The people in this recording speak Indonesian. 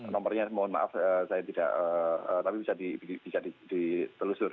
nomornya mohon maaf saya tidak tapi bisa ditelusur